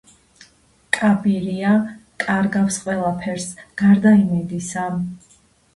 კაბირია კარგავს ყველაფერს, გარდა იმედისა.